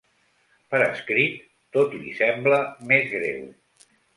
Per escrit tot li sembla més greu.